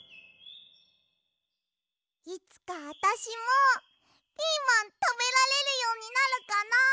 いつかあたしもピーマンたべられるようになるかな。